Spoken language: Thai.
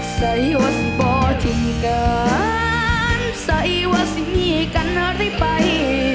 ใส่ว่าจะเป่าทิ้งกันใส่ว่าจะมีกันหรือไป